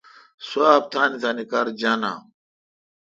سواب تان کار ران جانہ۔